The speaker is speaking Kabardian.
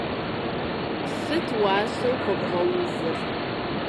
Сыт уасэу хуэбгъэувыр?